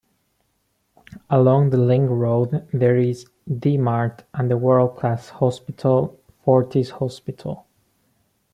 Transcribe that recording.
Along the link road, there is D-Mart and the world-class hospital - Fortis Hospital.